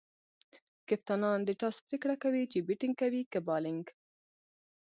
کپتانان د ټاس پرېکړه کوي، چي بيټینګ کوي؛ که بالینګ.